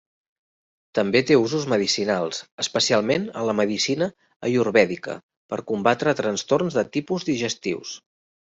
També té usos medicinals especialment en la medicina Ayurvèdica per combatre trastorns de tipus digestius.